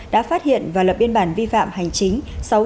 đã phát hiện và lập biên bản vi phạm hành chính